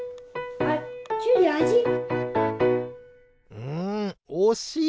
うんおしい！